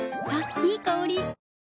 いい香り。